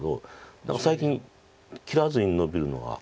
最近切らずにノビるのが。